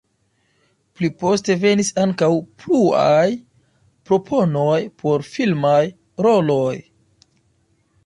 Pli poste venis ankaŭ pluaj proponoj por filmaj roloj.